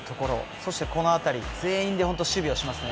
そしてこのあたり全員で本当守備しますね。